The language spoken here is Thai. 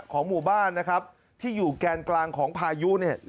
ของหมู่บ้านนะครับที่อยู่แกนกลางของพายุเนี่ย